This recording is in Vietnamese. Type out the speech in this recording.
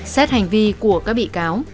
xét hành vi của các bị cáo